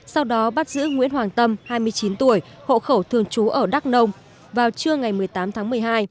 sau đó bắt giữ nguyễn hoàng tâm hai mươi chín tuổi hộ khẩu thường trú ở đắk nông vào trưa ngày một mươi tám tháng một mươi hai